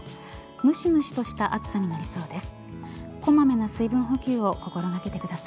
むしむしとした暑さになりそうです。